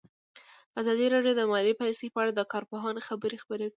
ازادي راډیو د مالي پالیسي په اړه د کارپوهانو خبرې خپرې کړي.